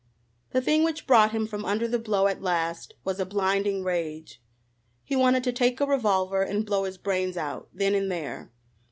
The thing which brought him from under the blow at last was a blinding rage. He wanted to take a revolver and blow his brains out, then and there.